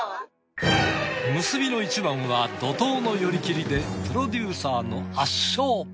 結びの一番は怒涛の寄り切りでプロデューサーの圧勝。